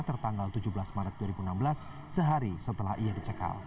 tertanggal tujuh belas maret dua ribu enam belas sehari setelah ia dicekal